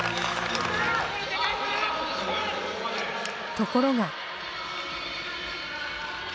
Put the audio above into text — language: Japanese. ところが。